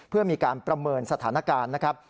เพื่อมีการประเมินสถานการณ์นะครับ